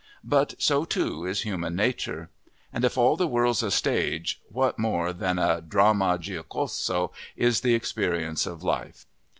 But so, too, is human nature. And if all the world's a stage, what more than a dramma giocoso is the experience of life?